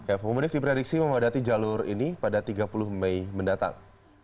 komunik diperediksi memadati jalur ini pada tiga puluh mei mendatang